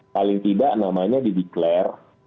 paling tidak namanya di declare